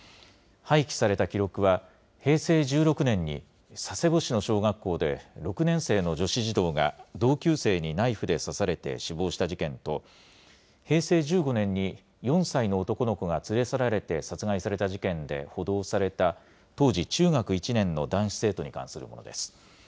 廃棄された記録は、平成１６年に佐世保市の小学校で、６年生の女子児童が同級生にナイフで刺されて死亡した事件と、平成１５年に、４歳の男の子が連れ去られて殺害された事件で補導された当時中学１年の男子生徒に関するものです。